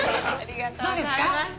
どうですか？